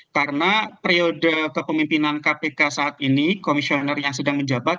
karena periode kepemimpinan kpk saat ini komisioner yang sedang menjabat